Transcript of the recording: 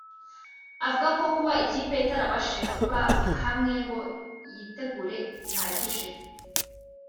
Avuga ko kuba ikipe itarabashije kuba hamwe ngo yitegure bihagije